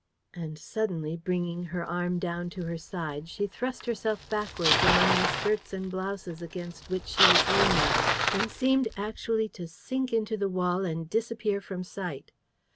And suddenly, bringing her arm down to her side, she thrust herself backwards, among the skirts and blouses against which she was leaning, and seemed actually to sink into the wall and disappear from sight.